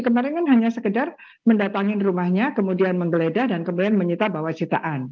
kemarin kan hanya sekedar mendatangin rumahnya kemudian menggeledah dan kemudian menyita bawa citaan